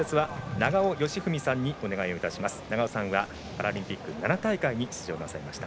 永尾さんはパラリンピック７大会に出場されました。